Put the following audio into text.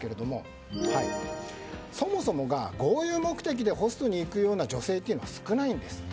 そもそもが豪遊目的でホストに行くような女性って少ないんですって。